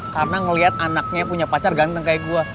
karena ngeliat anaknya punya pacar ganteng kayak gue